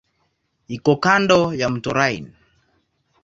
Iko kando ya mto Rhine.